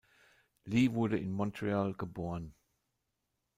Lee wurde in Montreal geboren.